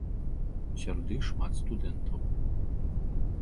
Сярод іх шмат студэнтаў.